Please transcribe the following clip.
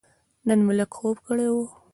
نن مې لږ خوب کړی و.